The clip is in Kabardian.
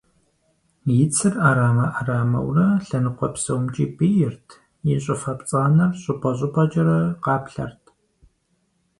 И цыр Ӏэрамэ Ӏэрамэурэ лъэныкъуэ псомкӀи пӀийрт, и щӀыфэ пцӀанэр щӀыпӀэ щӀыпӀэкӀэрэ къаплъэрт.